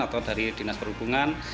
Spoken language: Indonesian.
atau dari dinas perhubungan